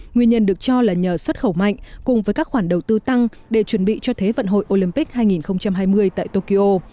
nguyên nhân được cho là nhờ xuất khẩu mạnh cùng với các khoản đầu tư tăng để chuẩn bị cho thế vận hội olympic hai nghìn hai mươi tại tokyo